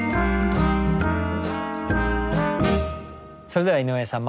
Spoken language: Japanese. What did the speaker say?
それでは井上さん